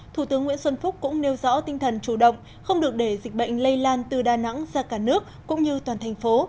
thủ tướng nguyễn xuân phúc cũng nêu rõ tinh thần chủ động không được để dịch bệnh lây lan từ đà nẵng ra cả nước cũng như toàn thành phố